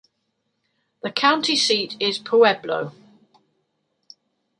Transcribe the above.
The county seat is Pueblo.